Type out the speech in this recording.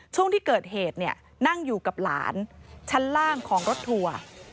ช่วงที่เกิดเหตุนั่งอยู่กับหลานชั้นล่างของรถทัวร์